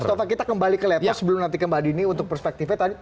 mas tova kita kembali ke lepas sebelum nanti kembali ini untuk perspektifnya